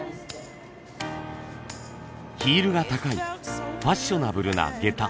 ヒールが高いファッショナブルな下駄。